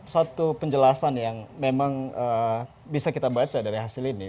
satu penjelasan yang memang bisa kita baca dari hasil ini